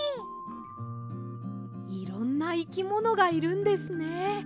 いろんないきものがいるんですね。